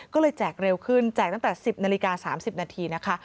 ก็เลยแจกเร็วขึ้นแจกตั้งแต่๑๐นาฬิกา๓๐นาทีนะคะ